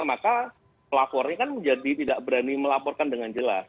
maka pelapornya kan menjadi tidak berani melaporkan dengan jelas